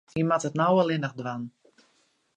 Hja moat it no allinnich dwaan.